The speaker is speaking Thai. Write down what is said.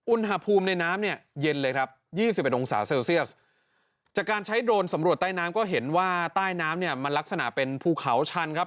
อุณหภูมิในน้ำเนี่ยเย็นเลยครับยี่สิบเอ็ดองศาเซลเซียสจากการใช้โดรนสำรวจใต้น้ำก็เห็นว่าใต้น้ำเนี่ยมันลักษณะเป็นภูเขาชันครับ